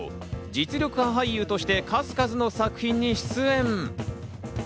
実力派俳優として数々の作品に出演。